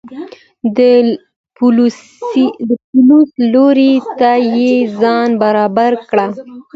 د پولیس لوري ته یې ځان برابر کړ.